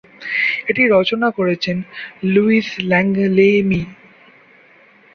এটি রচনা করেছেন লুইস ল্যাঙ্গলেমি।